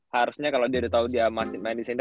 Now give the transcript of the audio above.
harusnya kalau dia udah tau dia masih main di senior